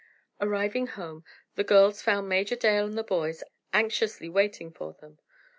Arriving home, the girls found Major Dale and the boys anxiously waiting for them.